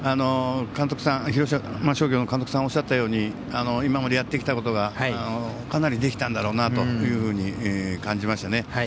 広島商業の監督さんがおっしゃったように今までやってきたことがかなりできたんだろうなというふうに感じましたね。